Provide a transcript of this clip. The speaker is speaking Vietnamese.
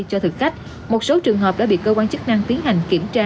cho thực khách một số trường hợp đã bị cơ quan chức năng tiến hành kiểm tra